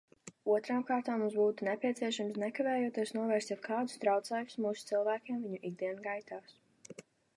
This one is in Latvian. Otrām kārtām mums būtu nepieciešams nekavējoties novērst jebkādus traucēkļus mūsu cilvēkiem viņu ikdienas gaitās.